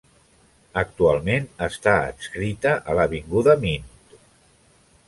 Actualment està adscrita a l'avinguda Mint.